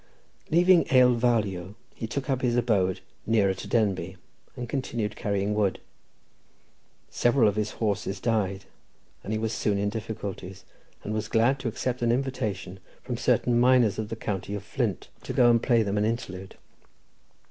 Leaving Ale Fowlio, he took up his abode nearer to Denbigh, and continued carrying wood. Several of his horses died, and he was soon in difficulties, and was glad to accept an invitation from certain miners of the county of Flint to go and play them an interlude.